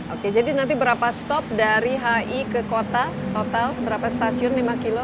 oke jadi nanti berapa stop dari hi ke kota total berapa stasiun lima km